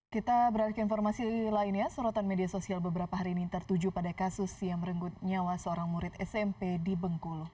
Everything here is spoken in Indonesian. kita beralih ke informasi lainnya sorotan media sosial beberapa hari ini tertuju pada kasus yang merenggut nyawa seorang murid smp di bengkulu